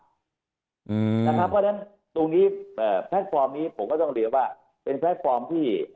เพราะฉะนั้นตรงนี้แพลตฟอร์มนี้ผมก็ต้องเรียนว่าเป็นแพลตฟอร์มที่